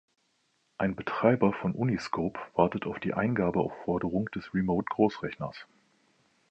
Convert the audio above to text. Ein Betreiber von Uniscope wartet auf die Eingabeaufforderung des Remote-Großrechners.